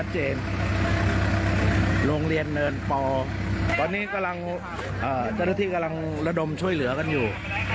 ตอนนี้เจ้าหน้าที่กำลังระดมช่วยเหลือกันอยู่